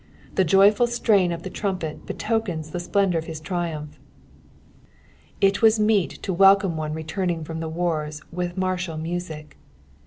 The joyful strain of the trumpet betokens the splendour of hia triumph. It was meet to welcome one returning from the wars with martial music.